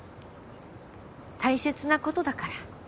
大切なことだから。